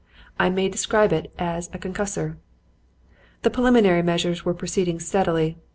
I may describe it as a concussor. "The preliminary measures were proceeding steadily.